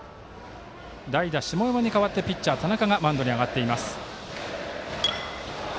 代打、下山に代わってピッチャー、田中がマウンドに上がっています。